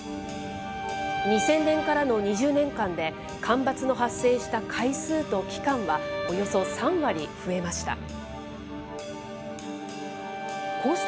２０００年からの２０年間で、干ばつの発生した回数と期間はおよそ３割増えました。